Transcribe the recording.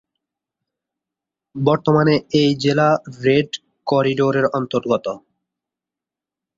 বর্তমানে এই জেলা রেড করিডোরের অন্তর্গত।